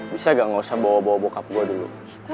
bisa gak usah bawa bawa bokap gue dulu